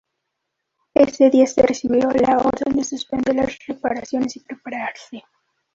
Ese día, se recibió la orden de suspender las reparaciones y prepararse.